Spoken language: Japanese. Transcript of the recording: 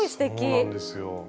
そうなんですよ。